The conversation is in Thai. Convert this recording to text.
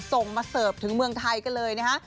ส่งมาเสิร์ฟถึงเมืองไทยกันเลยนะฮะ